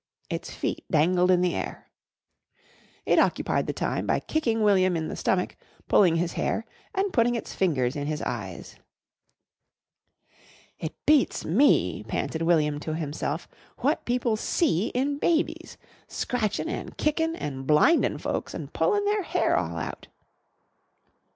Its feet dangled in the air. It occupied the time by kicking William in the stomach, pulling his hair, and putting its fingers in his eyes. "It beats me," panted William to himself, "what people see in babies! Scratchin' an' kickin' and blindin' folks and pullin' their hair all out!"